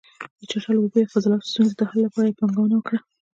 د چټلو اوبو یا فاضلاب ستونزې د حل لپاره یې پانګونه وکړه.